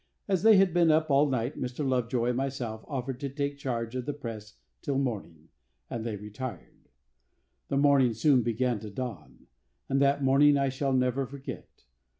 As they had been up all night, Mr. Lovejoy and myself offered to take charge of the press till morning; and they retired. The morning soon began to dawn; and that morning I shall never forget.